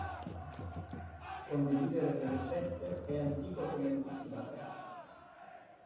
Condividere le ricette è antico come il cucinare.